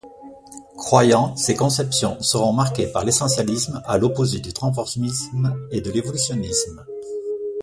Croyant, ses conceptions seront marquées par l'essentialisme à l'opposé du transformisme et de l'évolutionnisme.